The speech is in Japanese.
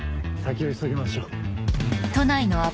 先を急ぎましょう。